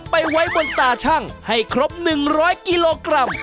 ไว้บนตาชั่งให้ครบ๑๐๐กิโลกรัม